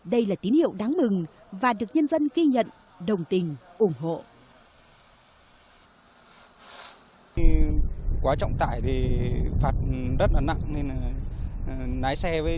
đây là tín hiệu đáng mừng và được nhân dân ghi nhận đồng tình ủng hộ